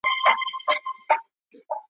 د ړندو لښکر نیولي تر لمن یو `